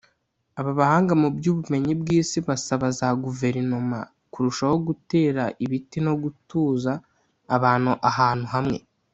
Aba bahanga mu by’ubumenyi bw’isi basaba za Guverinom kurushaho gutera ibiti no gutuza abantu ahantu hamwe